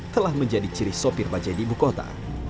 telah menjadi ciri sopir bajai di ibu kota